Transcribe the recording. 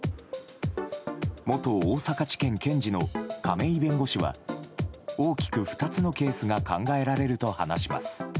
元大阪地検検事の亀井弁護士は大きく２つのケースが考えられると話します。